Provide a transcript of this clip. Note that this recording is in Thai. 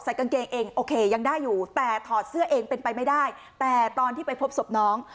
กางเกงเองโอเคยังได้อยู่แต่ถอดเสื้อเองเป็นไปไม่ได้แต่ตอนที่ไปพบศพน้อง